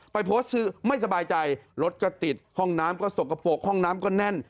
ไปโพสต์คือไม่สบายใจรถก็ติดห้องน้ำก็สกปรกห้องน้ำก็แน่น